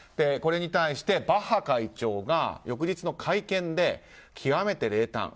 これに対してバッハ会長が翌日の会見で、極めて冷淡。